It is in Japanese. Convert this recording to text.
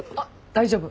大丈夫。